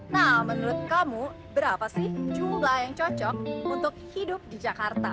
nah menurut kamu berapa sih jumlah yang cocok untuk hidup di jakarta